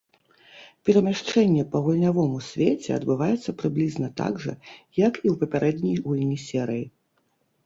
Перамяшчэнне па гульнявому свеце адбываецца прыблізна так жа, як і ў папярэдняй гульні серыі.